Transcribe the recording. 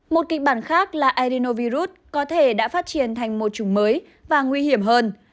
một kịch bản khác là arinovirus có thể đã phát triển thành một chủng mới và nguy hiểm hơn